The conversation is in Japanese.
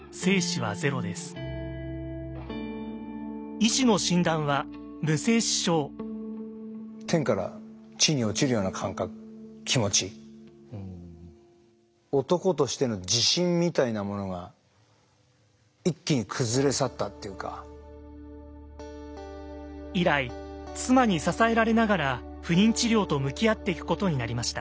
医師の診断は以来妻に支えられながら不妊治療と向き合っていくことになりました。